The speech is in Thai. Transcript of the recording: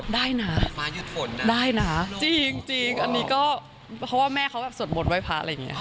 ได้นะได้นะจริงอันนี้ก็เพราะว่าแม่เขาแบบสวดมนต์ไว้พระอะไรอย่างนี้ค่ะ